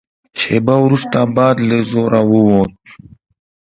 شېبه وروسته باد له زوره ووت.